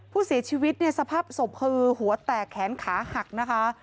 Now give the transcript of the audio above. ผู้เสียชีวิตเนี่ยสภาพศพคือหัวแตกแขนขาหักนะคะ